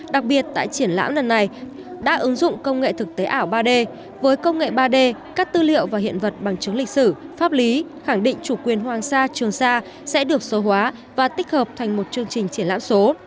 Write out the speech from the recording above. đặc biệt tại triển lãm lần này đã ứng dụng công nghệ thực tế ảo ba d với công nghệ ba d các tư liệu và hiện vật bằng chứng lịch sử pháp lý khẳng định chủ quyền hoàng sa trường sa sẽ được số hóa và tích hợp thành một chương trình triển lãm số